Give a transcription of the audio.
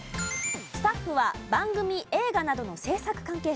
スタッフは番組映画などの制作関係者。